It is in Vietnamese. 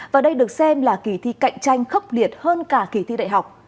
và đây được xem là kỳ thi cạnh tranh khốc liệt hơn cả kỳ thi đại học